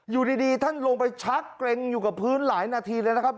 อยู่ดีท่านลงไปชักเกร็งอยู่กับพื้นหลายนาทีเลยนะครับ